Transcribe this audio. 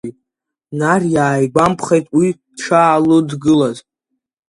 Нар иааигәамԥхеит, уи дшаалыдгылаз.